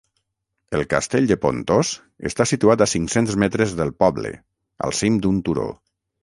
El Castell de Pontós està situat a cinc-cents metres del poble, al cim d'un turó.